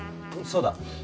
そうだ。